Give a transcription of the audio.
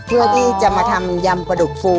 เพื่อที่จะมาทำยำปลาดุกฟู